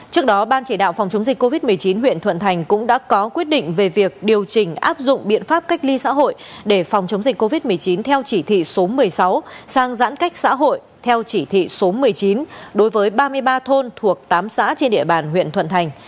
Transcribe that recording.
trước đó ban chỉ đạo phòng chống dịch covid một mươi chín huyện thuận thành cũng đã có quyết định về việc điều chỉnh áp dụng biện pháp cách ly xã hội để phòng chống dịch covid một mươi chín theo chỉ thị số một mươi sáu sang giãn cách xã hội theo chỉ thị số một mươi chín đối với ba mươi ba thôn thuộc tám xã trên địa bàn huyện thuận thành